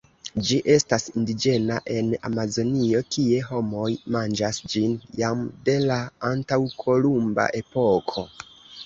Ĝi estas indiĝena en Amazonio, kie homoj manĝas ĝin jam de la antaŭkolumba epoko.